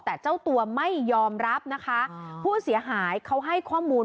แต่เจ้าตัวไม่ยอมรับนะคะผู้เสียหายเขาให้ข้อมูล